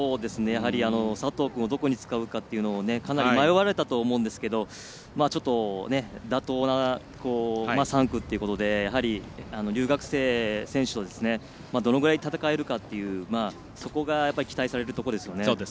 佐藤君をどこに使うかかなり迷われたと思うんですがちょっと、妥当な３区っていうことでやはり、留学生選手とどのぐらい戦えるかというそこが期待されるところですよね。